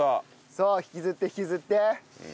そう引きずって引きずって。